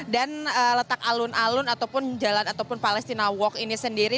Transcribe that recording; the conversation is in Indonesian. dan letak alun alun ataupun jalan ataupun palestina walk ini sendiri